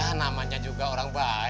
ya namanya juga orang baik